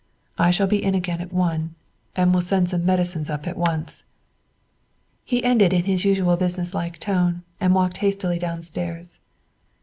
I shall be in again at one, and will send some medicines up at once." He ended in his usual businesslike tone, and walked hastily downstairs.